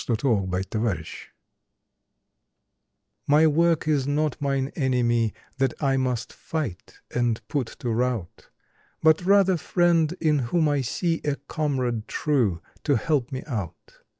February Ninth MY WORK TV/fY work is not mine enemy That I must fight and put to rout, But rather friend in whom I see A comrade true to help me out.